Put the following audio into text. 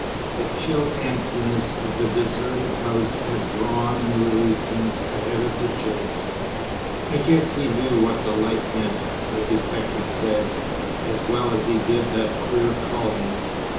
The chill emptiness of the deserted house had drawn and released him ahead of the chase. "I guess he knew what the light meant," the detective said, "as well as he did that queer calling.